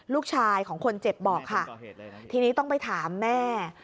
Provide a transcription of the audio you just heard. ลูกชายของคนเจ็บบอกค่ะทีนี้ต้องไปถามแม่